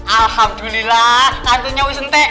alhamdulillah hantunya wisentik